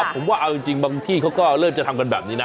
ผมว่าเอาจริงบางที่เขาก็เริ่มจะทำกันแบบนี้นะ